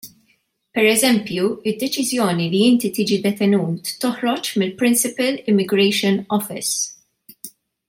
Pereżempju d-deċiżjoni li inti tiġi detenut toħroġ mill-Principal Immigration Office.